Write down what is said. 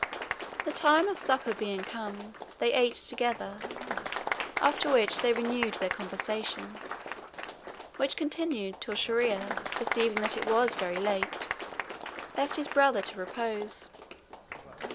The time of supper being come, they ate together, after which they renewed their conversation, which continued till Shier ear, perceiving that it was very late, left his brother to repose.